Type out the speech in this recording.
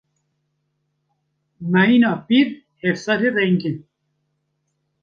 Mehîna pîr, hefsarê rengîn.